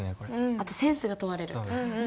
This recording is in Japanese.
あとセンスが問われる。